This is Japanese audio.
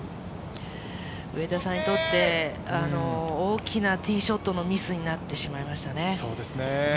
上田さんにとって大きなティーショットのミスになってしまいましたね。